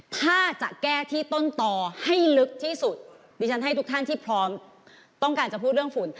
ถ้าจะแก้ที่ต้นต่อให้ลึกที่สุดดิฉันให้ทุกท่านที่พร้อมต้องการจะพูดเรื่องฝุ่น